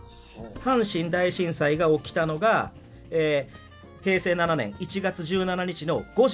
阪神大震災が起きたのが平成７年１月１７日の５時４６分。